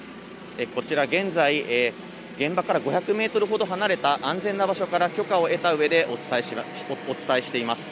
こちら、現在、現場から５００メートルほど離れた安全な場所から許可を得たうえで、お伝えしています。